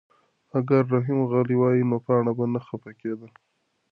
اگر رحیم غلی وای نو پاڼه به نه خفه کېده.